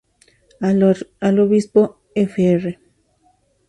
Al obispo Fr.